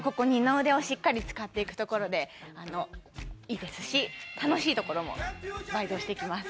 二の腕をしっかり使っていくところでいいですし楽しいところも倍増していきます。